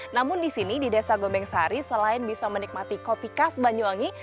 namun di sini di desa gombeng sari selain bisa menikmati kopi khas banyuwangi